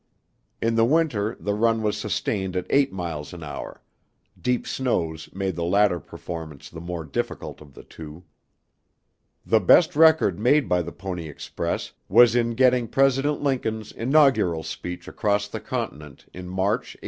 In the winter the run was sustained at eight miles an hour; deep snows made the latter performance the more difficult of the two. The best record made by the Pony Express was in getting President Lincoln's inaugural speech across the continent in March, 1861.